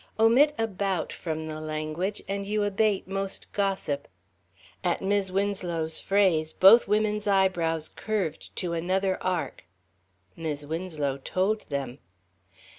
Omit "about" from the language, and you abate most gossip. At Mis' Winslow's phrase, both women's eyebrows curved to another arc. Mis' Winslow told them.